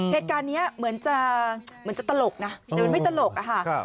เหตุการณ์นี้เหมือนจะตลกนะแต่มันไม่ตลกค่ะ